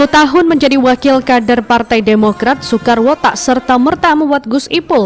sepuluh tahun menjadi wakil kader partai demokrat soekarwo tak serta merta membuat gus ipul